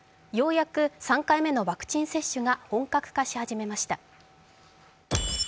ようやく３回目のワクチン接種が本格化し始めました。